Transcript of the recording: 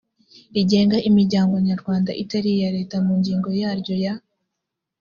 rigenga imiryango nyarwanda itari iya leta mu ngingo yaryo ya